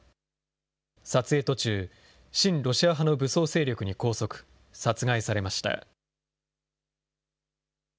撮影途中、親ロシア派の武装勢力に拘束、殺害されました。